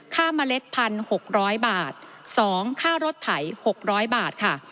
ค่าเมล็ดพันหกร้อยบาทสองค่ารถไถหกร้อยบาทค่ะ